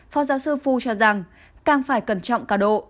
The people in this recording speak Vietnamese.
phó giáo sư phu cho rằng càng phải cẩn trọng cả độ